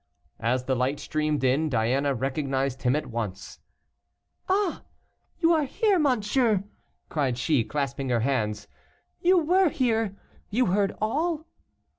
As the light streamed in, Diana recognized him at once. "Ah! you here, monsieur," cried she, clasping her hands, "you were here you heard all?"